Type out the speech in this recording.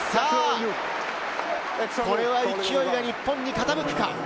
これは勢いが日本に傾くか？